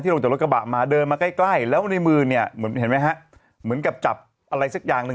ที่ลงจากรถกระบะมาเดินมาใกล้แล้วในมือเหมือนกับจับอะไรสักอย่างหนึ่ง